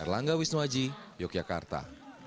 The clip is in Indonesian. erlangga wisnuaji yogyakarta